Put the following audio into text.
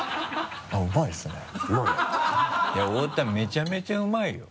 大田めちゃめちゃうまいよ。